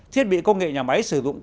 thiết bị công nghệ nhà máy sử dụng